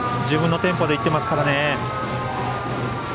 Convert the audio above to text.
自分のテンポでいっていますね。